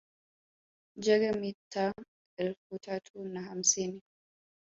Jaeger mita elfu tatu na hamsini